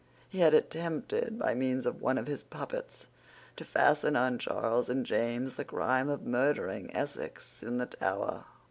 He had attempted, by means of one of his puppets, to fasten on Charles and James the crime of murdering Essex in the Tower.